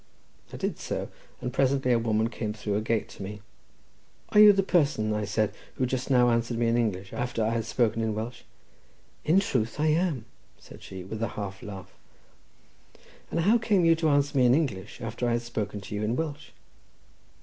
I did so, and presently a woman came through a gate to me. "Are you the person," said I, "who just now answered me in English after I had spoken in Welsh?" "In truth I am," said she, with a half laugh. "And how came you to answer me in English, after I had spoken to you in Welsh?"